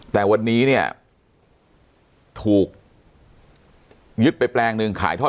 แต่วันนี้เนี่ยถูกยึดไปแปลงหนึ่งขายทอด